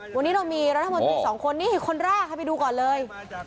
วันนี้เรามีรัฐบาลที่สองคนนี่คนแรกไปดูก่อนเลย